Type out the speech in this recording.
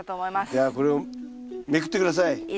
じゃあこれをめくって下さい。